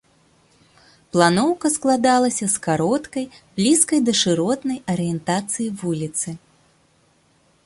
Планоўка складалася з кароткай, блізкай да шыротнай арыентацыі вуліцы.